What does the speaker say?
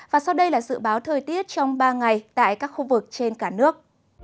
và sau đây là dự báo thời tiết trong ba ngày tại các khu vực trên cả nước